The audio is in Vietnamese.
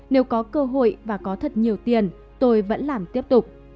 nếu có cơ hội và có thật nhiều tiền tôi vẫn làm tiếp tục